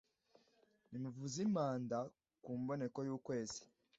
nimuvuze impanda ku mboneko y’ukwezi